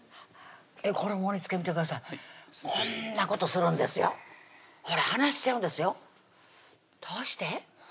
これ盛りつけ見てくださいこんなことするんですよほら離しちゃうんですよどうして？